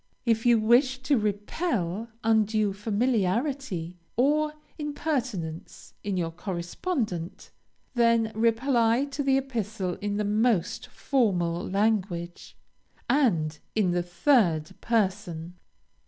If you wish to repel undue familiarity or impertinence in your correspondent, then reply to the epistle in the most formal language, and in the third person.